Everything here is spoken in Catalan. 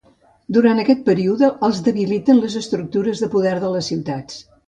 Durant aquest període es debiliten les estructures de poder de les ciutats.